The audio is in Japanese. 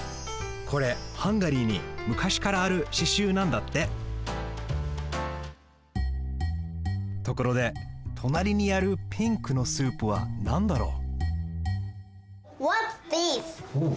これハンガリーにむかしからあるししゅうなんだってところでとなりにあるピンクのスープはなんだろう？